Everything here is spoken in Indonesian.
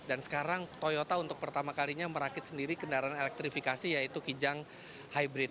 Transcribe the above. dan sekarang toyota untuk pertama kalinya merakit sendiri kendaraan elektrifikasi yaitu kijang hybrid